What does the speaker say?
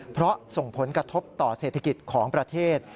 เพราะส่งผลกระทบต่อเศรษฐกิจของประเทศ